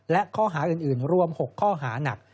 และข้อหาอื่นรวม๖ข้อหานัก